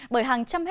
bởi hàng trăm hết